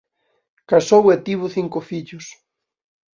Casou e tivo cinco fillos.